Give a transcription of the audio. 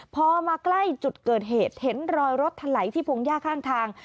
พอมาใกล้จุดเกิดเหตุเห็นรอยรถถลายที่พงหญ้าข้างทาง